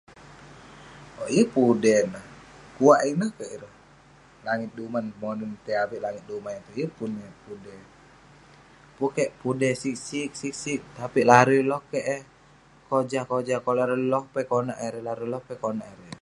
Owk yeng pun udey neh. Kuak ineh kek ireh, langit duman monen itei avik langit duman itouk. Yeng pun eh pudey. Pun keh pudey sig sig, sig sig. Tapi larui loh ke eh kojah, kojah kek. larui loh peh konak erei larui loh peh konak erei.